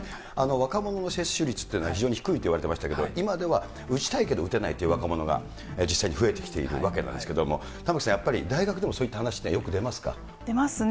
若者の接種率というのが非常に低いといわれてましたけど、今では打ちたいけど打てないという若者が実際に増えてきているわけなんですけど、玉城さん、大学でもそういった話というのは出ますね。